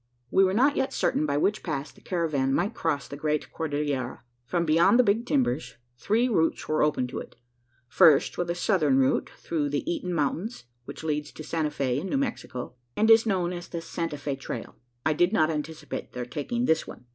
We were not yet certain by which pass the caravan might cross the great Cordillera. From beyond the Big Timbers, three routes were open to it. First was the southern route through the Eaton mountains, which leads to Santa Fe, in New Mexico, and is known as the "Santa Fe trail." I did not anticipate their taking this one.